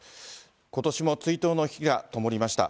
ことしも追悼の火がともりました。